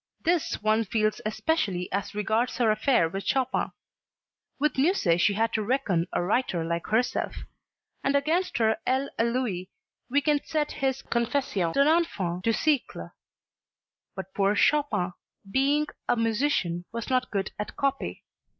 This one feels especially as regards her affair with Chopin. With Musset she had to reckon a writer like herself; and against her "Elle et Lui" we can set his "Confession d'un enfant du siecle." But poor Chopin, being a musician, was not good at "copy."